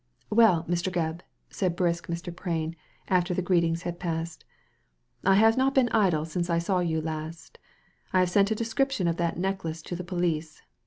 "Well, Mr. Gebb," said brisk Mr. Prain, after greet ings had passed, " I have not been idle since I saw you last I have sent a description of that necklace to the police.